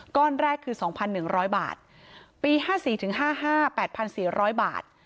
ก้อนแรกคือสองพันหนึ่งร้อยบาทปีห้าสี่ถึงห้าห้าแปดพันสี่ร้อยบาท